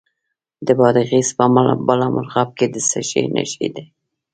د بادغیس په بالامرغاب کې د څه شي نښې دي؟